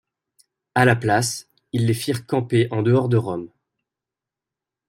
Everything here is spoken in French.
À la place, il les firent camper en dehors de Rome.